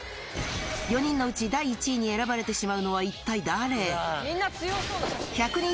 ４人のうち第１位に選ばれてしまうのは一体誰？